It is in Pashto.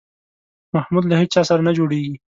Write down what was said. محمود له هېچا سره نه جوړېږي.